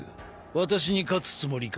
私に勝つつもりか？